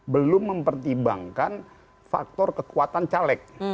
belum mempertimbangkan faktor kekuatan caleg